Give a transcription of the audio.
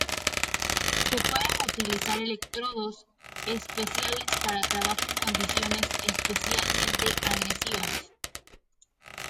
Se pueden utilizar electrodos especiales para trabajo en condiciones especialmente agresivas.